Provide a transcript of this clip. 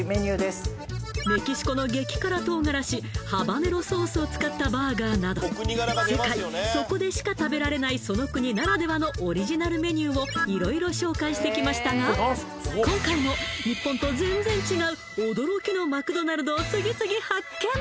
メキシコの激辛唐辛子ハバネロソースを使ったバーガーなど世界そこでしか食べられないその国ならではのオリジナルメニューを色々紹介してきましたが今回も日本と全然違う驚きのマクドナルドを次々発見